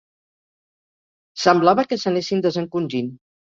Semblava que s'anessin desencongint.